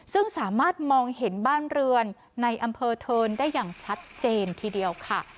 ซึ่งสามารถมองเห็นบ้านเรือนในอำเภอเทินได้อย่างชัดเจนทีเดียวค่ะ